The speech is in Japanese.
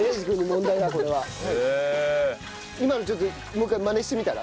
今のちょっともう一回マネしてみたら？